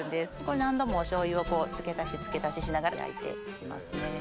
何度もお醤油を付け足し付け足ししながら焼いて行きますね。